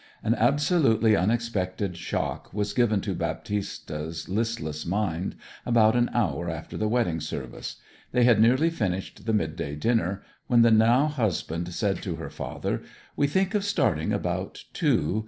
An absolutely unexpected shock was given to Baptista's listless mind about an hour after the wedding service. They had nearly finished the mid day dinner when the now husband said to her father, 'We think of starting about two.